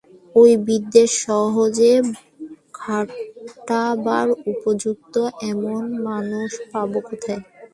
ও-বিদ্যে সহজে খাটাবার উপযুক্ত এমন মানুষ পাব কোথায়?